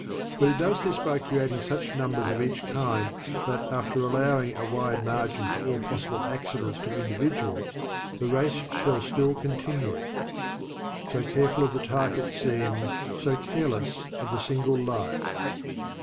But it does this by creating such numbers of each kind that, after allowing a wide margin for all possible accidents to individuals, the race shall still continue: "So careful of the type it seems So careless of the single life."